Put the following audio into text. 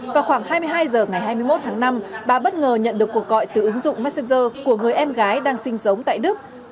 vào khoảng hai mươi hai h ngày hai mươi một tháng năm bà bất ngờ nhận được cuộc gọi từ ứng dụng messenger của người em gái đang sinh sống tại đức